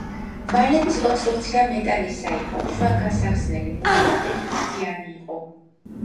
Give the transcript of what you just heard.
მალების კონსტრუქცია მეტალისა იყო, შუა გასახსნელი მალა ერთფრთიანი იყო.